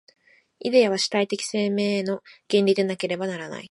イデヤは主体的生命の原理でなければならない。